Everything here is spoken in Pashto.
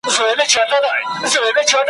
یوه حاجي مي را په شا کړله د وریجو بوجۍ ,